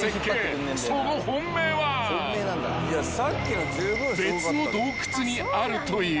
［その本命は別の洞窟にあるという］